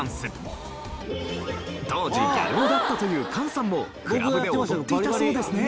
当時ギャル男だったという菅さんもクラブで踊っていたそうですね。